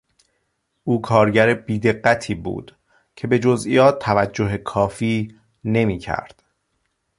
او کارگر بیدقتی بود که به جزئیات توجه کافی نمیکرد.